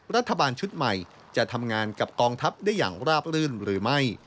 รัฐบาลชุดใหม่จะทำงานกับกองทัพได้อย่างราบรื่นหรือไม่